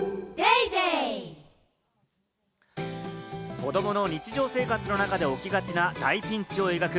子どもの日常生活の中で起きがちな大ピンチを描く